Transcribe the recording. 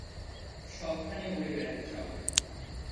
সবখানে উড়ে বেড়াতে চাও।